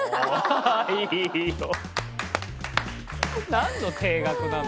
なんの定額なの？